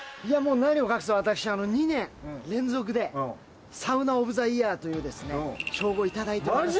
何を隠そう私２年連続でサウナーオブザイヤーという称号をいただいておりますので。